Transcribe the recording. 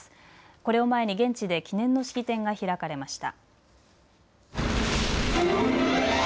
これを前に現地で記念の式典が開かれました。